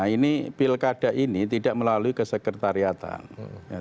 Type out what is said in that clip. ini pilkada ini tidak melalui kesekretariatan